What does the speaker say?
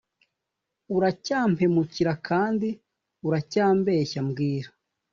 uracyampemukira kandi uracyambeshya mbwira